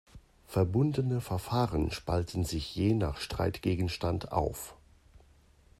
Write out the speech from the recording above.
Verbundene Verfahren spalten sich je nach Streitgegenstand auf.